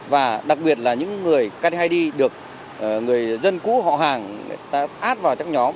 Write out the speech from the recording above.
và đặc biệt là những người ktid được người dân cũ họ hàng át vào các nhóm